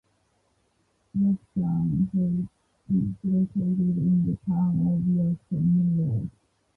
Yorktown Heights is located in the Town of Yorktown, New York.